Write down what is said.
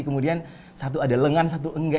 kemudian satu ada lengan satu enggak